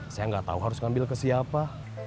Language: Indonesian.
saya gak tau harus ngambil ke siapa